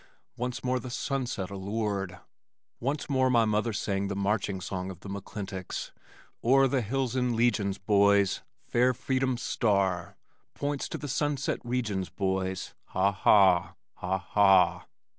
Once more the sunset allured. Once more my mother sang the marching song of the McClintocks, O'er the hills in legions, boys, Fair freedom's star Points to the sunset regions, boys, Ha, ha, ha ha!